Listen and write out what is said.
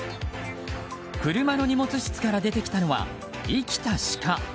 車の荷物室から出てきたのは生きたシカ。